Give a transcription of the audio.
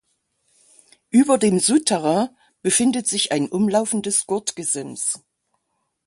Über dem Souterrain befindet sich ein umlaufendes Gurtgesims.